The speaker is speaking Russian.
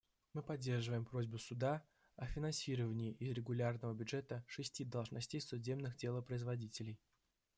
Мы поддерживаем просьбу Суда о финансировании из регулярного бюджета шести должностей судебных делопроизводителей.